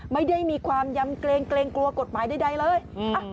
ไม่ได้มีความยำเกรงเกรงกลัวกฎหมายใดเลย